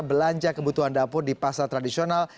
belanja kebutuhan dapur di pasar tradisional